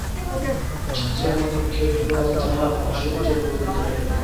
ছত্রমাণিক্যের ক্রমে তাহা অসহ্য বোধ হইতে লাগিল।